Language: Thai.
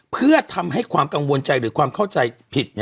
เพื่อทำให้ความกังวลใจหรือความเข้าใจผิด